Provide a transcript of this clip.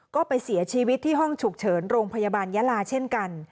ก็ไปเสียชีวิตที่ห้องฉุกเฉินโรงพยาบาลยาลาเช่นกัน